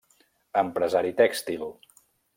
Empresari tèxtil.